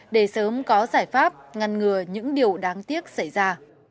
để sớm có giải pháp ngăn ngừa những điều đáng tiếc xảy ra